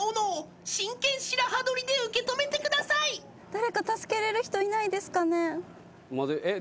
誰か助けれる人いないですかね？